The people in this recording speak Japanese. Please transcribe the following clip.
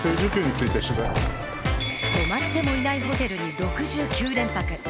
泊まってもいないホテルに６９連泊。